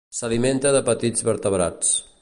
S'alimenta de petits vertebrats.